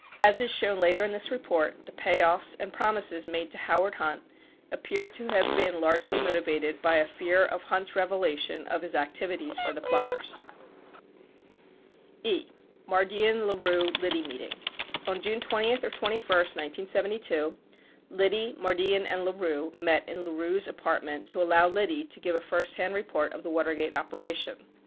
As is shown later in this report, the payoffs and prom ises made to Howard Hunt appear to have been largely motivated by a fear of Hunt's revelation of his activities for the Plumbers. E. Mardian La B uk Liddy Meeting On June 20 or 21, 1972, Liddy, Mardian and LaRue met in LaRue's apartment to allow Liddy to give a firsthand report of the Watergate operation.